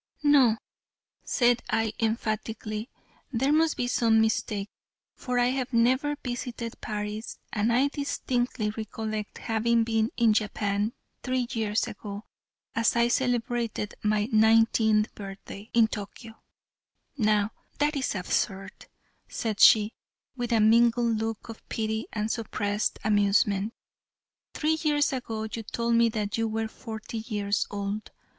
"No," said I emphatically, "there must be some mistake, for I have never visited Paris and I distinctly recollect having been in Japan three years ago, as I celebrated my nineteenth birthday in Tokio." "Now that is absurd," said she, with a mingled look of pity and suppressed amusement. "Three years ago you told me that you were forty years old.